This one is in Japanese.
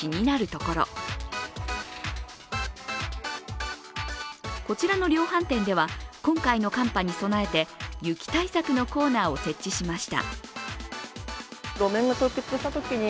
こちらの量販店では今回の寒波に備えて雪対策のコーナーを設置しました。